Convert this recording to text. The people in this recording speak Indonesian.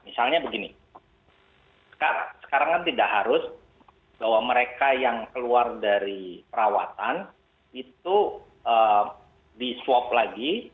misalnya begini sekarang kan tidak harus bahwa mereka yang keluar dari perawatan itu di swab lagi